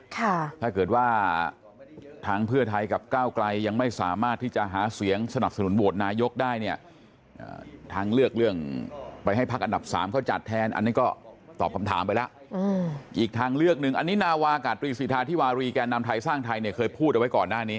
ถ้าเกิดว่าทางเพื่อไทยกับก้าวไกลยังไม่สามารถที่จะหาเสียงสนับสนุนโหวตนายกได้เนี่ยทางเลือกเรื่องไปให้พักอันดับสามเขาจัดแทนอันนี้ก็ตอบคำถามไปแล้วอีกทางเลือกหนึ่งอันนี้นาวากาตรีสิทธาธิวารีแก่นำไทยสร้างไทยเนี่ยเคยพูดเอาไว้ก่อนหน้านี้